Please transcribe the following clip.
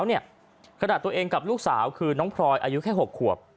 ขณะตัวเองกับลูกสาวคือน้องพลอยอายุแค่๖ขวบ